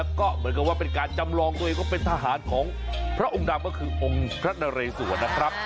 ก็เหมือนกับว่าเป็นการจำลองตัวเองว่าเป็นทหารของพระองค์ดำก็คือองค์พระนเรสวรนะครับ